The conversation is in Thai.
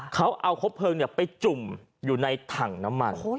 เขาเอาครบเพลิงไปจุ่มอยู่ในถังน้ำมัน